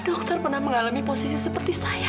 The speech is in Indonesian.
dokter pernah mengalami posisi seperti saya